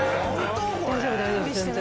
大丈夫大丈夫です全然。